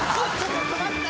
ちょっと待って。